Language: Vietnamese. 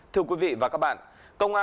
thưa quý vị và các bạn